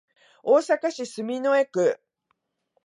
大阪市住之江区